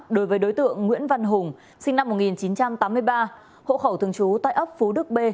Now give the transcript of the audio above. đối với đối tượng nguyễn văn hùng sinh năm một nghìn chín trăm tám mươi ba hộ khẩu thường trú tại ấp phú đức b